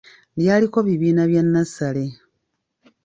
Lyaliko bibiina bya nnassale.